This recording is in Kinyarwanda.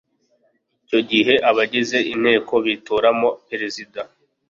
icyo gihe abagize inteko bitoramo perezida